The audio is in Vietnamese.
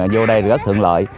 vô đây rất thượng lợi